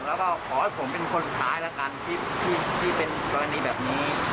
แล้วก็ขอให้ผมเป็นคนสุดท้ายแล้วกันที่เป็นกรณีแบบนี้